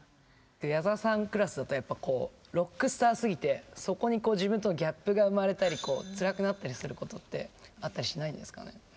矢沢さんクラスだとやっぱこうロックスターすぎてそこに自分とのギャップが生まれたりつらくなったりすることってあったりしないんですかね？